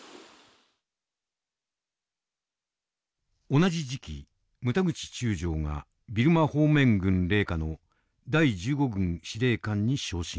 同じ時期牟田口中将がビルマ方面軍隷下の第１５軍司令官に昇進。